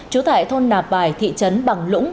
chú thải thôn nạp bài thị trấn bằng lũng